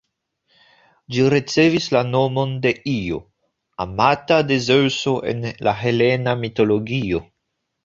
Ĝi ricevis la nomon de Io, amata de Zeŭso en la helena mitologio.